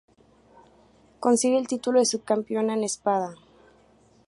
Consigue el título de subcampeona en espada.